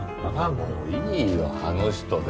もういいよ「あの人」で。